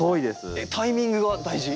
タイミングが大事？